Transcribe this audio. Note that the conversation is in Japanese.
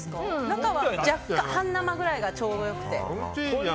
中は半生くらいがちょうどよくて。